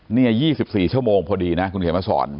นี่๒๔ชั่วโมงพอดีนะคุณเขียนมาสอน